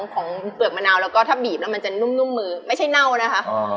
เปลือกมะนาวแล้วก็ถ้าบีบแล้วมันจะนุ่มมือไม่ใช่เน่านะคะ